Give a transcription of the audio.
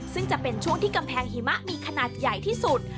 ซึ่งจะเป็นช่วงที่กำแพงหิมะมีขนาดใหญ่ที่สุด